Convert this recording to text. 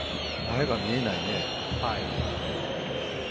前が見えないね。